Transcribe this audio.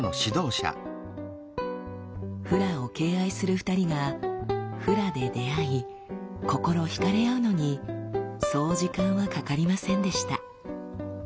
フラを敬愛する２人がフラで出会い心惹かれ合うのにそう時間はかかりませんでした。